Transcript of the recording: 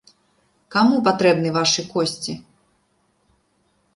Каму патрэбны вашы косці?